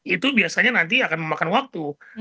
itu biasanya nanti akan memakan waktu